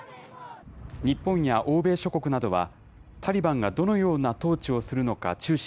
日本や欧米諸国などは、タリバンがどのような統治をするのか注視